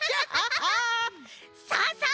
さあさあ